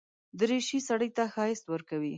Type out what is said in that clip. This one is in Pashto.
دریشي سړي ته ښايست ورکوي.